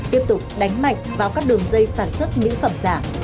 tiếp tục đánh mạnh vào các đường dây sản xuất mỹ phẩm giả